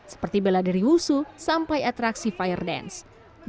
seperti bela dari wushu sampai atraksi fire dance